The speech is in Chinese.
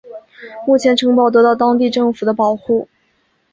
目前城堡得到当地政府的保护。